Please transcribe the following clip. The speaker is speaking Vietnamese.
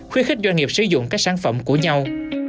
khuyến khích doanh nghiệp sử dụng các sản phẩm của nhau